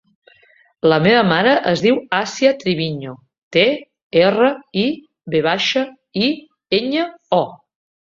La meva mare es diu Assia Triviño: te, erra, i, ve baixa, i, enya, o.